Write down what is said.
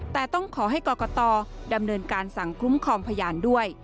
แต่ต้องขอให้กรกตดำเนินการสั่งคุ้มครองพยานด้วย